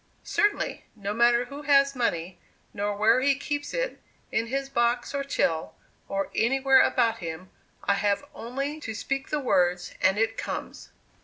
"Certainly. No matter who has money, nor where he keeps it, in his box or till, or anywhere about him, I have only to speak the words, and it comes."